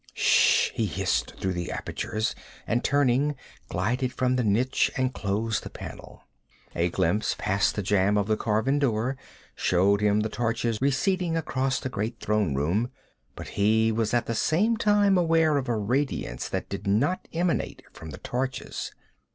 'Shhh!' he hissed through the apertures, and turning, glided from the niche and closed the panel. A glimpse past the jamb of the carven door showed him the torches receding across the great throne room, but he was at the same time aware of a radiance that did not emanate from the torches.